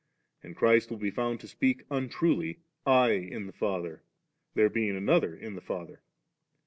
And Christ will be found to speak untruly, ' I in the Father,' there being another in the Father.